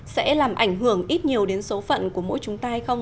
sẽ làm ảnh hưởng ít nhiều đến số phận của mỗi chúng ta không